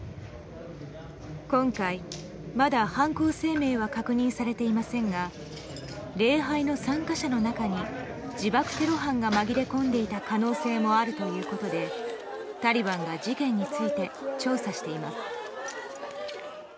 今回、まだ犯行声明は確認されていませんが礼拝の参加者の中に自爆テロ犯が紛れ込んでいた可能性もあるということでタリバンが事件について調査しています。